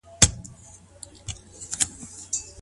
خطابي رحمه الله د دغه حديث اړوند څه وايي؟